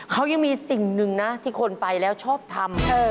เขายังมีสิ่งหนึ่งนะที่คนไปแล้วชอบทำ